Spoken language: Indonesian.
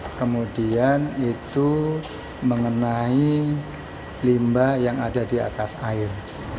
kemudian itu mengenai limbah yang ada di atas air